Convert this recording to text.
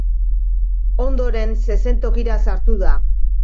Ondoren, zezentokira sartu da.